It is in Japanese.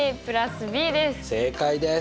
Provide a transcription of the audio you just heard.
正解です。